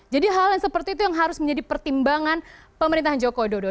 jadi hal yang seperti itu yang harus menjadi pertimbangan pemerintahan joko dodo